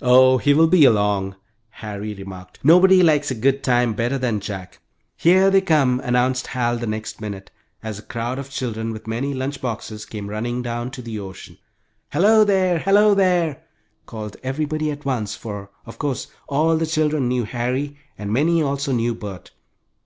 "Oh, he will be along," Harry remarked. "Nobody likes a good time better than Jack." "Here they come!" announced Hal, the next minute, as a crowd of children with many lunch boxes came running down to the ocean. "Hello there! Hello there!" called everybody at once, for, of course, all the children knew Harry and many also knew Bert.